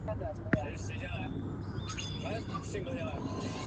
白铅铝矿是一种罕见的碳酸铝矿物。